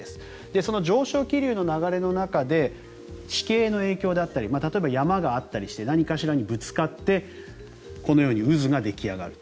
その上昇気流の流れの中で地形の影響だったり例えば山があったりして何かしらにぶつかってこのように渦が出来上がると。